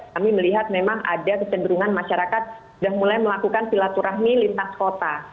kami melihat memang ada kecenderungan masyarakat sudah mulai melakukan silaturahmi lintas kota